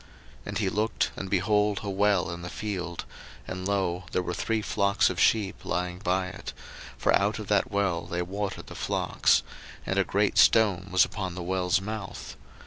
01:029:002 And he looked, and behold a well in the field, and, lo, there were three flocks of sheep lying by it; for out of that well they watered the flocks: and a great stone was upon the well's mouth.